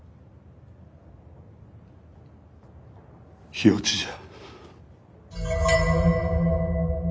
火落ちじゃ。